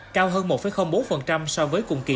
cao hơn một bốn so với cùng kỳ